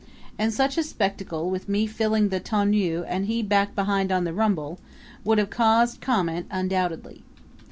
And such a spectacle, with me filling the tonneau and he back behind on the rumble, would have caused comment undoubtedly.